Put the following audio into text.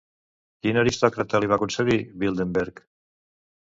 Quin aristòcrata li va concedir Wildenberg?